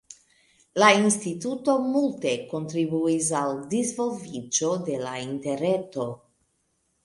La instituto multe kontribuis al disvolviĝo de la Interreto.